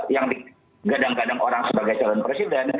yang di gadang gadang orang sebagai calon presiden